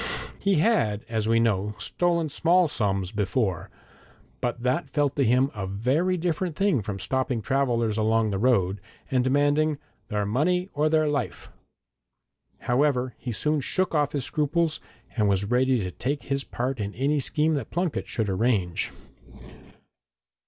He had, as we know, stolen small sums before, but that felt to him a very different thing from stopping travellers along the road, and demanding 'their money or their life.' However, he soon shook off his scruples, and was ready to take his part in any scheme that Plunket should arrange.